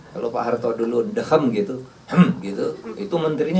kalau pak harto dulu dehem gitu itu menterinya